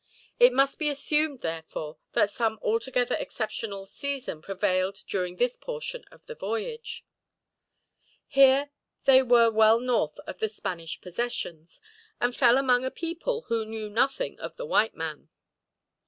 It must be assumed, therefore, that some altogether exceptional season prevailed during this portion of the voyage. Here they were well north of the Spanish possessions, and fell among a people who knew nothing of the white man.